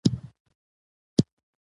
الوتکه د وخت پروا نه لري.